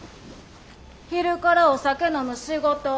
昼からお酒飲む仕事。